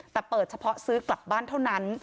แต่เปิดเฉพาะซื้อกลับบ้านเท่านั้น